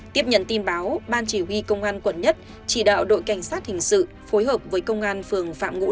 tiếp nhận tin báo ban chỉ huy công an quận một chỉ đạo đội cảnh sát hình sự phối hợp với công an phường phạm ngũ